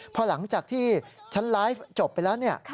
พอหลังจากที่ชั้นไลฟ์จบไปแล้ว